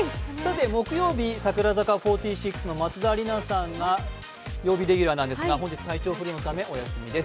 木曜日櫻坂４６の松田里奈さんが曜日レギュラーなんですが本日、体調不良のためお休みです。